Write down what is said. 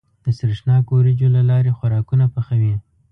د سرېښناکو وريجو له لارې خوراکونه پخوي.